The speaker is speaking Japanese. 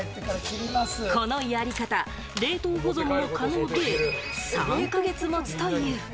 このやり方、冷凍保存も可能で３か月もつという。